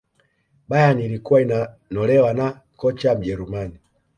bayern ilkuwa inanolewa na kocha mjerumani